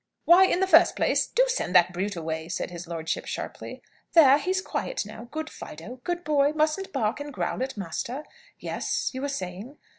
"Why, in the first place do send that brute away," said his lordship, sharply. "There! he's quiet now. Good Fido! Good boy! Mustn't bark and growl at master. Yes; you were saying